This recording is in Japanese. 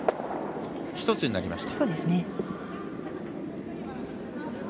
１つになりました。